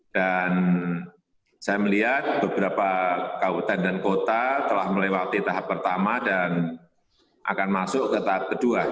dan saya melihat beberapa kabupaten dan kota telah melewati tahap pertama dan akan masuk ke tahap kedua